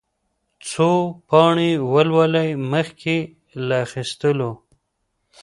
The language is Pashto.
څو پاڼې ولولئ مخکې له اخيستلو.